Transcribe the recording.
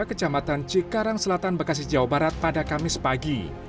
kecamatan cikarang selatan bekasi jawa barat pada kamis pagi